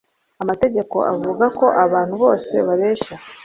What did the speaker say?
Amategeko avuga ko abantu bose bareshya